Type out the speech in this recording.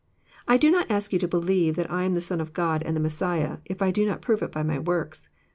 '* I do not ask yon to believe that I am the Son of God and the Messiah, if I do not prove it by my works.